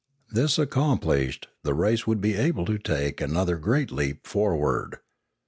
This accomplished, the race would be able to take another great leap forward.